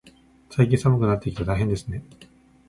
最近、寒くなってきて大変ですね。